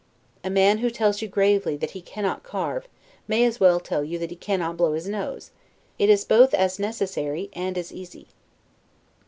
A man who tells you gravely that he cannot carve, may as well tell you that he cannot blow his nose: it is both as necessary, and as easy.